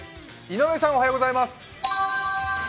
井上さん、おはようございます。